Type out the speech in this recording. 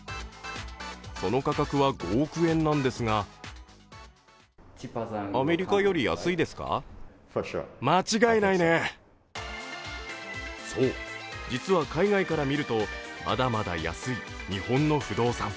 その価格は５億円なんですがそう、実は海外から見るとまだまだ安い日本の不動産。